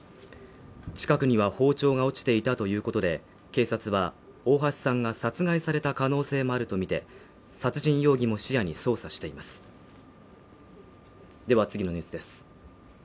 近くには包丁が落ちていたということで警察は大橋さんが殺害された可能性もあると見て殺人容疑も視野に捜査していますでは次のニュースです